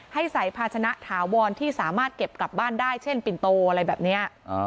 ให้ใส่ภาชนะถาวรที่สามารถเก็บกลับบ้านได้เช่นปิ่นโตอะไรแบบนี้